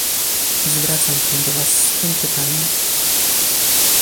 Zwracam się do was z tym pytaniem